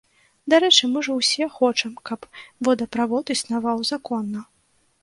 Дарэчы, мы ж усе хочам, каб водаправод існаваў законна.